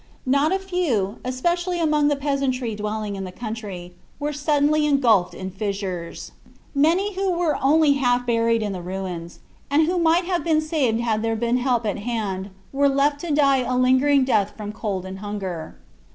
Not a few, especially among the peasantry dwelling in the country, were suddenly engulfed in fissures. Many who were only half buried in the ruins, and who might have been saved had there been help at hand, were left to die a lingering death from cold and hunger.